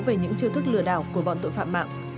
về những chiêu thức lừa đảo của bọn tội phạm mạng